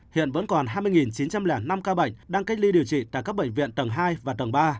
hiện vẫn còn hai mươi chín trăm linh năm ca bệnh đang cách ly điều trị tại các bệnh viện tầng hai và tầng ba